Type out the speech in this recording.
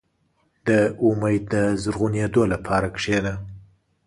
• د امید د زرغونېدو لپاره کښېنه.